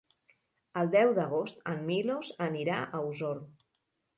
El deu d'agost en Milos anirà a Osor.